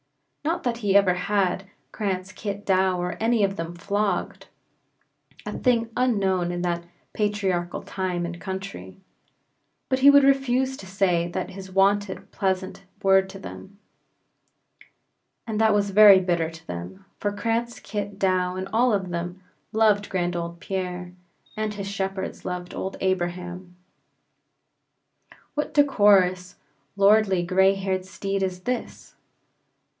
Not that he ever had Cranz, Kit, Douw, or any of them flogged a thing unknown in that patriarchal time and country but he would refuse to say his wonted pleasant word to them; and that was very bitter to them, for Cranz, Kit, Douw, and all of them, loved grand old Pierre, as his shepherds loved old Abraham. What decorous, lordly, gray haired steed is this?